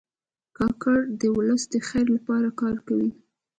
کاکړ د ولس د خیر لپاره کار کوي.